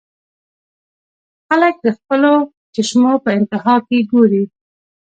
خلک د خپلو چشمو پۀ انتها کښې ګوري -